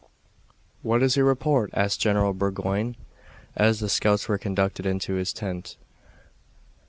"What is your report?" asked General Burgoyne, as the scouts were conducted into his tent.